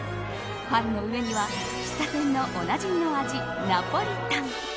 パンの上には喫茶店のおなじみの味ナポリタン。